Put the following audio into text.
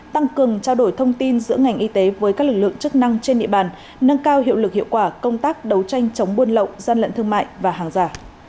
tăng cường trao đổi thông tin giữa ngành y tế với các lực lượng chức năng trên địa bàn nâng cao hiệu lực hiệu quả công tác đấu tranh chống buôn lậu gian lận thương mại và hàng giả